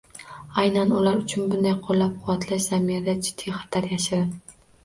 Aynan ular uchun bunday qo‘llab-quvvatlash zamirida jiddiy xatar yashirin.